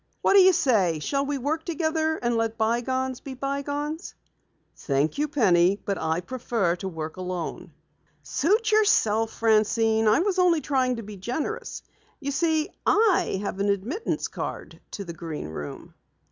"What do you say? Shall we work together and let bygones be bygones?" "Thank you, Penny, I prefer to work alone." "Suit yourself, Francine. I was only trying to be generous. You see, I have an admittance card to the Green Room."